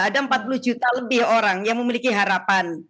ada empat puluh juta lebih orang yang memiliki harapan